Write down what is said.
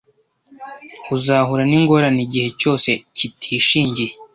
uzahura n ‘ingorane igihe cyose kitishingiye.